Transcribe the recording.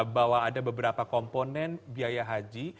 bahwa ada beberapa komponen biaya haji